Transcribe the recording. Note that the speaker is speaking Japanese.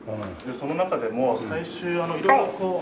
でその中でも最終色々。